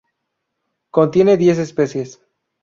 Contiene diez especies.